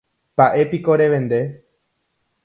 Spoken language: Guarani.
Mba'épiko revende.